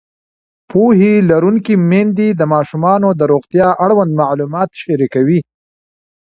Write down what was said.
پوهه لرونکې میندې د ماشومانو د روغتیا اړوند معلومات شریکوي.